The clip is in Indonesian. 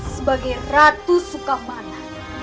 sebagai ratu sukamata